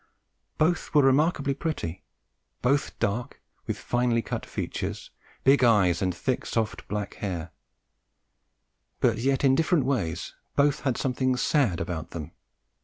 Both were remarkably pretty; both dark, with finely cut features, big eyes and thick soft black hair; but yet in different ways both had something sad about them.